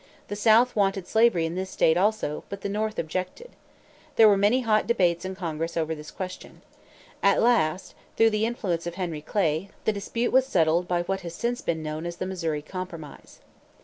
The South wanted slavery in this state also, but the North objected. There were many hot debate's in Congress over this question. At last, through the influence of Henry Clay, the dispute was settled by what has since been known as the Missouri Compromise.